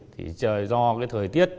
thì do cái thời tiết